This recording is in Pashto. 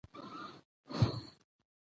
په اړه به قضاوت لوستي افغانان خپله درک وي